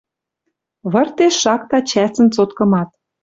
Выртеш шакта чӓсӹн цоткымат